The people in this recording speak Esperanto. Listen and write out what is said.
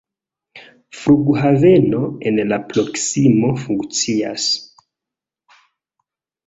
Flughaveno en la proksimo funkcias.